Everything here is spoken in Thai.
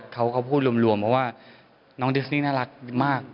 เขาก็พูดรวมเพราะว่าน้องดิสนี่น่ารักมาก